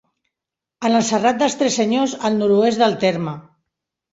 En el Serrat dels Tres Senyors, al nord-oest del terme.